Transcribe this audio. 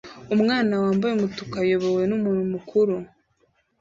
Umwana wambaye umutuku ayobowe numuntu mukuru